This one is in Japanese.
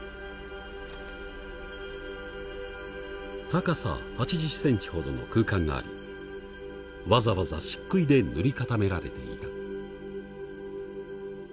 高さ８０ｃｍほどの空間がありわざわざ漆喰で塗り固められていた。